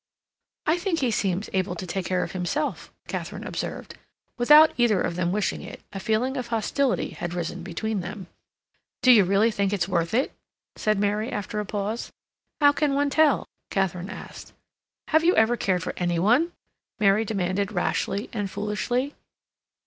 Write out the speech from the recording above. "I think he seems able to take care of himself," Katharine observed. Without either of them wishing it, a feeling of hostility had risen between them. "Do you really think it's worth it?" said Mary, after a pause. "How can one tell?" Katharine asked. "Have you ever cared for any one?" Mary demanded rashly and foolishly.